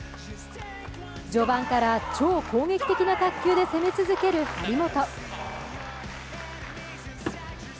序盤から超攻撃的な卓球で攻め続ける張本。